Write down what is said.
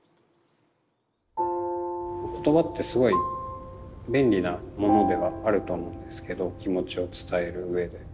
言葉ってすごい便利なものではあるとは思うんですけど気持ちを伝えるうえで。